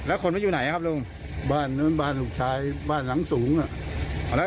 แล้วขนมันอยู่ไหนครับลุงบ้านลูกชายบ้านหนังสูงอ่ะ